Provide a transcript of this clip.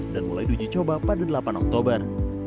dan mulai di uji coba pada delapan oktober